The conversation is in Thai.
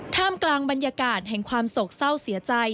กลางบรรยากาศแห่งความโศกเศร้าเสียใจ